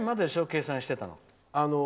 計算してたのは。